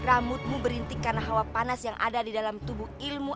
ramutmu berintik karena hawa panas yang ada di dalam tubuh ilmu